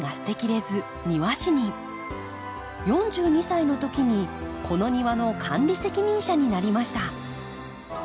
４２歳のときにこの庭の管理責任者になりました。